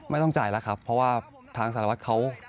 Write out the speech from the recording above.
ไม่ต้องจ่ายแล้วครับเพราะว่าทางสารวัตรเขา